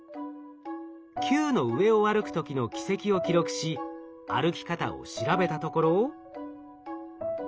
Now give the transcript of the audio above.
球の上を歩く時の軌跡を記録し歩き方を調べたところ。